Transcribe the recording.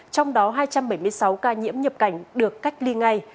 trong đó hai trăm bảy mươi sáu ca nhiễm nhập cảnh được cách ly ngay